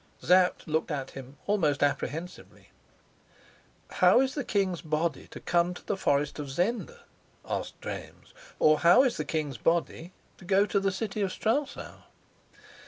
Sapt looked at him almost apprehensively. "How is the king's body to come to the forest of Zenda?" asked James. "Or how is the king's body to go to the city of Strelsau?"